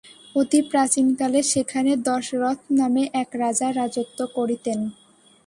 অতি প্রাচীন কালে সেখানে দশরথ নামে এক রাজা রাজত্ব করিতেন।